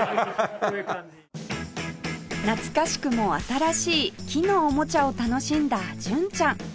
懐かしくも新しい木のおもちゃを楽しんだ純ちゃん